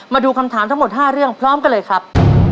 มาดูคำถามทั้งหมด๕เรื่องพร้อมกันเลยครับ